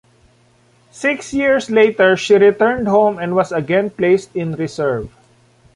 Six years later she returned home and was again placed in reserve.